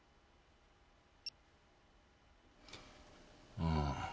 うん。